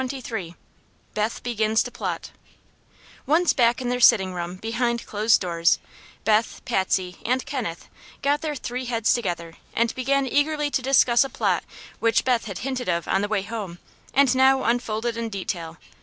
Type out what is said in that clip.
CHAPTER XXIII BETH BEGINS TO PLOT Once back in their sitting room behind closed doors, Beth, Patsy and Kenneth got their three heads together and began eagerly to discuss a plot which Beth had hinted of on the way home and now unfolded in detail.